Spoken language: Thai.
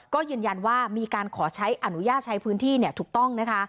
ก็ยืนยันว่ามีการขอใช้อนุญาตใช้พื้นที่ถูกต้องนะคะ